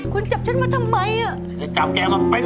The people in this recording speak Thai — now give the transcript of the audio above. คุณจับฉันมาทำไมอ่ะจะจับแกมาเป็น